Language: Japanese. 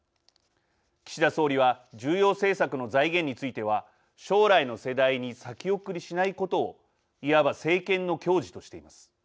岸田総理は重要政策の財源については将来の世代に先送りしないことをいわば政権のきょうじとしています。